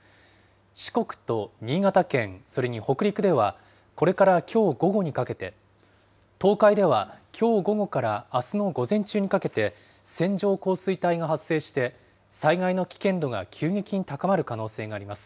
四国と新潟県、それに北陸では、これからきょう午後にかけて、東海ではきょう午後からあすの午前中にかけて、線状降水帯が発生して、災害の危険度が急激に高まる可能性があります。